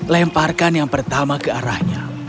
lemparkan yang pertama ke arahnya